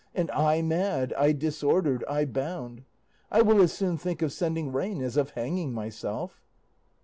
and I mad, I disordered, I bound! I will as soon think of sending rain as of hanging myself.